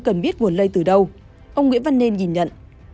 cần biết nguồn lây từ đâu ông nguyễn văn nên nhìn nhận